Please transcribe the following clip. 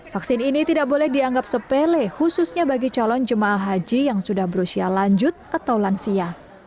vaksin ini tidak boleh dianggap sepele khususnya bagi calon jemaah haji yang sudah berusia lanjut atau lansia